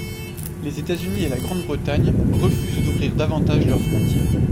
Les États-Unis et la Grande-Bretagne refusent d'ouvrir davantage leurs frontières.